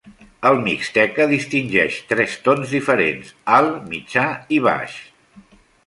El mixteca distingeix tres tons diferents: alt, mitjà i baix.